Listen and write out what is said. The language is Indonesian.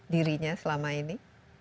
dirinya selama ini